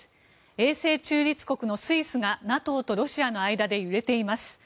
永世中立国のスイスがＮＡＴＯとロシアの間で揺れています。